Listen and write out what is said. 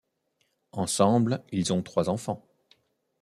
Ensemble ils ont trois enfants.